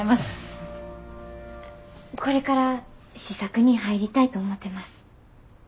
これから試作に入りたいと思ってます。